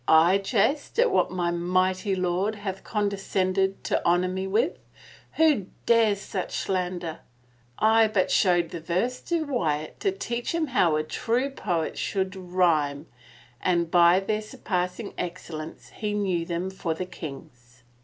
''/ jest at what my mighty lord hath condescended to honor me with? Who dares such slander? I but showed the verse to Wyatt to teach him how a true poet should rhyme and by their surpassing excellence he knew them for the king's."